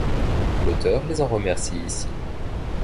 L’auteur les en remercie ici.